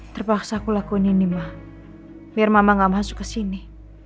terpaksa aku lakuin ini mah biar mama gak masuk ke sini